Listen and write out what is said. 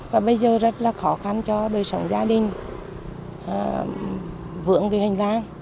và bây giờ rất là khó khăn cho đời sống gia đình vướng cái hành lang